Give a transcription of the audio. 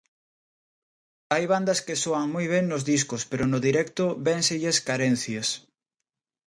Hai bandas que soan moi ben nos discos pero no directo vénselles carencias.